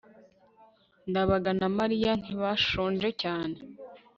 ndabaga na mariya ntibashonje cyane